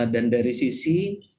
dan dari sisi